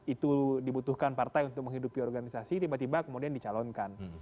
itu dibutuhkan partai untuk menghidupi organisasi tiba tiba kemudian dicalonkan